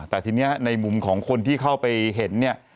แต่ทีนี้ในมุมของคนที่เข้าไปเห็นเนี่ย